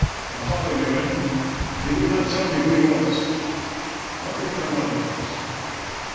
My father knew him, and would not tell me who he was. I wonder if my mother knows.